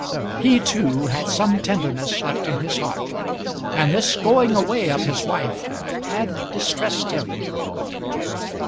He too had some tenderness left in his heart, and this going away of his wife had distressed him.